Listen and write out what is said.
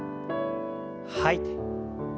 吐いて。